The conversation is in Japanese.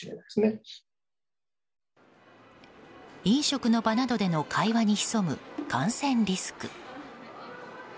飲食の場などでの会話に潜む感染リスク。